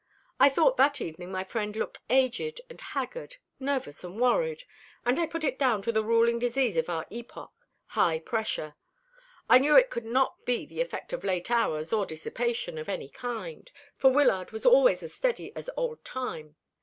I thought that evening my friend looked aged and haggard, nervous and worried, and I put it down to the ruling disease of our epoch, high pressure. I knew it could not be the effect of late hours or dissipation of any kind, for Wyllard was always as steady as old Time.